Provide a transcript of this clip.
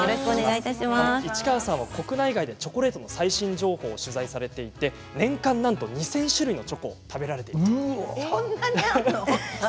市川さんは国内外でチョコレートの最新情報を取材されていて年間なんと２０００種類のチョコレートをそんなにあるの？